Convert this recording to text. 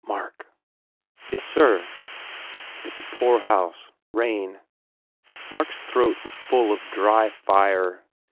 "Mark." "Yessir." "It s a poor house. Rain. ..." Mark s throat was full of dry fire.